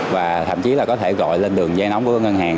và thậm chí là có thể gọi lên đường dây nóng của ngân hàng